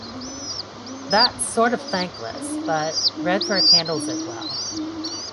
That's sort of thankless, but Redford handles it well.